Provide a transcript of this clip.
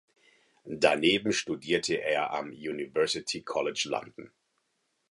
Daneben studierte er am University College London.